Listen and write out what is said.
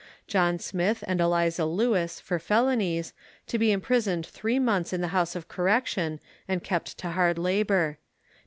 John Smith and Eliza Lewis, for felonies, to be imprisoned three months in the House of Correction, and kept to hard labour.